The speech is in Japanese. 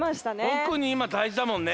とくにいまだいじだもんね。